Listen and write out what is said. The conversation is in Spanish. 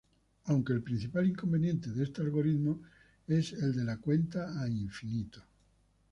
Aunque el principal inconveniente de este algoritmo es el de la cuenta a infinito.